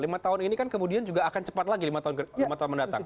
lima tahun ini kan kemudian juga akan cepat lagi lima tahun mendatang